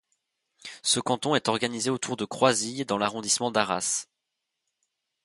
Ce canton est organisé autour de Croisilles dans l'arrondissement d'Arras.